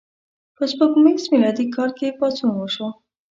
په سپوږمیز میلادي کال کې پاڅون وشو.